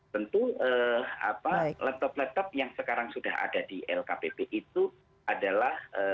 tentu laptop laptop yang sekarang sudah ada di lkpp itu adalah